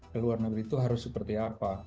ke luar negeri itu harus seperti apa